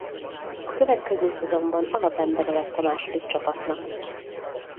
A következő szezonban alapembere lett a második csapatnak.